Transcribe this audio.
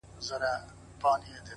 نیکي د وخت له تېرېدو نه زړېږي,